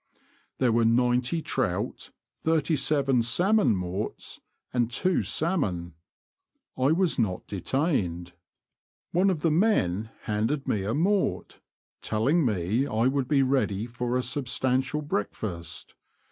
There were ninety trout, thirty seven salmon morts, and two salmon. I was not detained. One of the men handed me a mort, telling me I would be ready "for a substantial break fast.